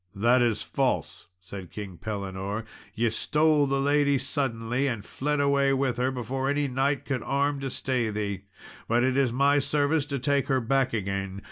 "That is false," said King Pellinore; "ye stole the lady suddenly, and fled away with her, before any knight could arm to stay thee. But it is my service to take her back again.